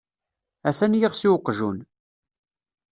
Atan yiɣes i waqjun.